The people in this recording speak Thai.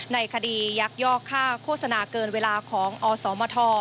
ในคดียักยอกค่าโฆษณาเกินเวลาของอสมท